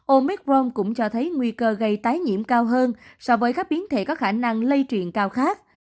omicron cũng cho thấy nguy cơ gây tái nhiễm cao hơn so với các biến thể có khả năng lây truyền cao khác